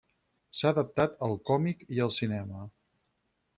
S'ha adaptat al còmic i al cinema.